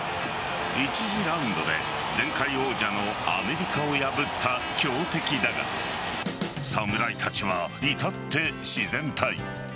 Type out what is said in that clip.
１次ラウンドで前回王者のアメリカを破った強敵だが侍たちはいたって自然体。